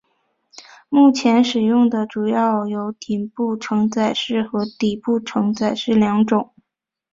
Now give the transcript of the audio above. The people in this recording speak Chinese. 目前使用的主要有顶部承载式和底部承载式两种。